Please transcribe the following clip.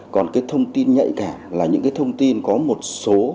còn những thông tin nhạy cảm là những thông tin có một số